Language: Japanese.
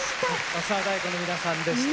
御諏訪太鼓の皆さんでした。